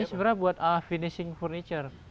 ini sebenarnya buat finishing furniture